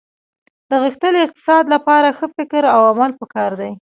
د غښتلي اقتصاد لپاره ښه فکر او عمل په کار دي